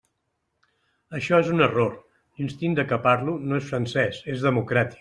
Això és un error: l'instint de què parlo no és francès, és democràtic.